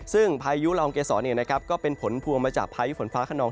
ซึ่งพายุลองเกษรก็เป็นผลพวงมาจากพายุฝนฟ้าขนอง